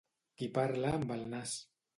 Qui parla amb el nas.